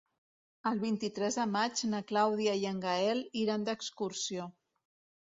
El vint-i-tres de maig na Clàudia i en Gaël iran d'excursió.